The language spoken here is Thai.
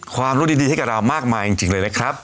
ความรู้ดีให้กับเรามากมายจริงเลยนะครับ